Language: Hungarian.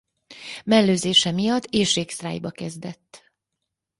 Mellőzése miatt éhségsztrájkba kezdett.